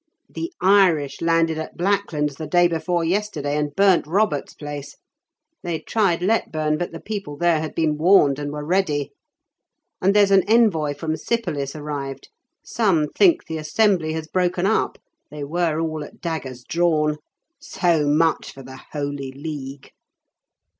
"The Irish landed at Blacklands the day before yesterday, and burnt Robert's place; they tried Letburn, but the people there had been warned, and were ready. And there's an envoy from Sypolis arrived; some think the Assembly has broken up; they were all at daggers drawn. So much for the Holy League."